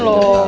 uy ya kasihan